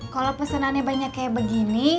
kalau pesanannya banyak kayak begini